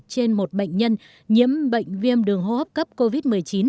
trên một bệnh nhân nhiễm bệnh viêm đường hô hấp cấp covid một mươi chín